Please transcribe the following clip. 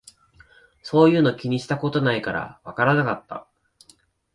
そういうの気にしたことないからわからなかった